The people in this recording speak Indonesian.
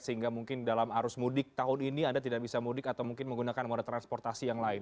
sehingga mungkin dalam arus mudik tahun ini anda tidak bisa mudik atau mungkin menggunakan moda transportasi yang lain